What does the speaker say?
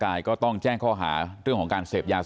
ครูจะฆ่าแม่ไม่รักตัวเอง